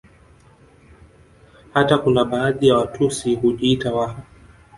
Hata kuna baadhi ya Watusi hujiita Waha